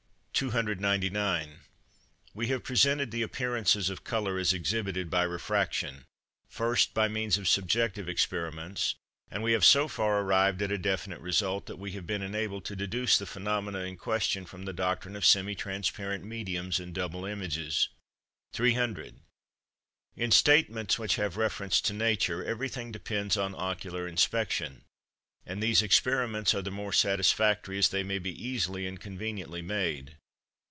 299. We have presented the appearances of colour as exhibited by refraction, first, by means of subjective experiments; and we have so far arrived at a definite result, that we have been enabled to deduce the phenomena in question from the doctrine of semi transparent mediums and double images. 300. In statements which have reference to nature, everything depends on ocular inspection, and these experiments are the more satisfactory as they may be easily and conveniently made.